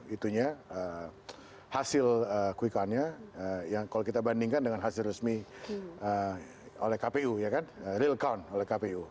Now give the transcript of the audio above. itunya hasil quick count nya kalau kita bandingkan dengan hasil resmi oleh kpu real count